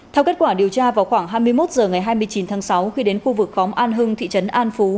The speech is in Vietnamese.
theo kết quả điều tra vào khoảng hai mươi một h ngày hai mươi chín tháng sáu khi đến khu vực khóm an hưng thị trấn an phú